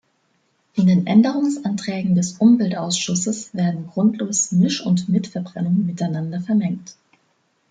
In den Änderungsanträgen des Umweltausschusses werden grundlos Misch- und Mitverbrennung miteinander vermengt.